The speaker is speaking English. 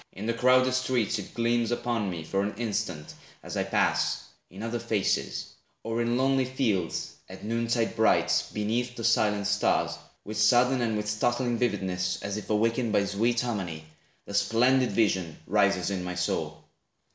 In the crowded streets it gleams Upon me, for an instant, as I pass, In other faces; or in lonely fields, At noon tide bright, beneath the silent stars, With sudden and with startling vividness, As if awakened by sweet harmony, The splendid vision rises in my soul.